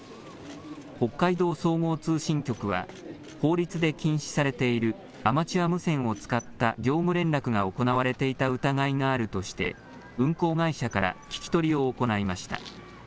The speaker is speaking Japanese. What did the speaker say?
北海道総合通信局は、法律で禁止されているアマチュア無線を使った業務連絡が行われていた疑いがあるとして、運航会社から聞き取りを行いました。